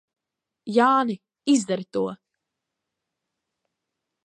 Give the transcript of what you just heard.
Jāni, izdari to!